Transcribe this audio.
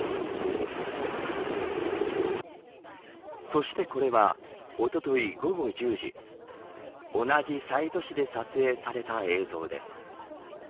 そしてこれはおととい午後１０時同じ西都市で撮影された映像です。